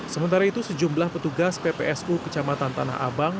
sementara itu sejumlah petugas ppsu kecamatan tanah abang